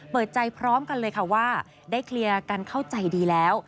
เปิดใจพร้อมกันเลยค่ะว่าได้เคลียร์กันเข้าใจดีแล้ว